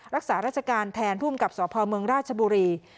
รักษาราชการแทนผู้อุ่มกับสอบภาวเมืองราชบุรี